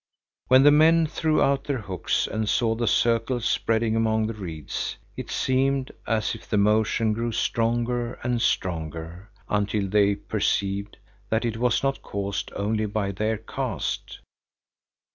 When the men threw out their hooks and saw the circles spreading among the reeds, it seemed as if the motion grew stronger and stronger, until they perceived that it was not caused only by their cast.